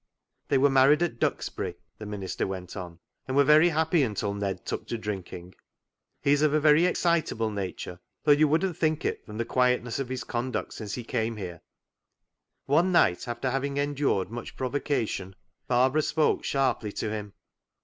" They were married at Duxbury," the minister went on, " and were very happy until Ned took to drinking. He is of a very ex citable nature, though you wouldn't think it from the quietness of his conduct since he came here. One night, after having endured much provocation, Barbara spoke sharply to him.